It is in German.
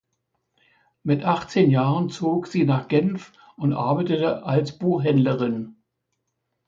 Mit achtzehn Jahren zog sie nach Genf und arbeitete als Buchhändlerin.